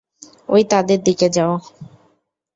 ঐ তাদের দিকে যাও।